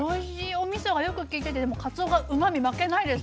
おみそがよくきいててでもかつおがうまみ負けないです。